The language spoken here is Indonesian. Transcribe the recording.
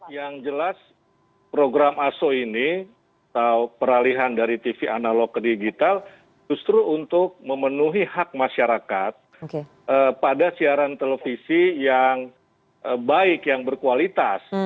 yang jelas program aso ini atau peralihan dari tv analog ke digital justru untuk memenuhi hak masyarakat pada siaran televisi yang baik yang berkualitas